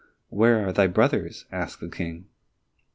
"Where are thy brothers?" asked the King.